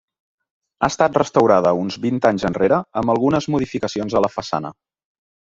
Ha estat restaurada uns vint anys enrere, amb algunes modificacions a la façana.